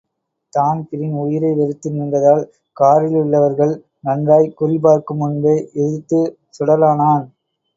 Dan Breen உயிரை வெறுத்து நின்றதால், காரிலுள்ளவர்கள் நன்றாய்க் குறிபார்க்கு முன்பே எதிர்த்துச் சுடலானான்.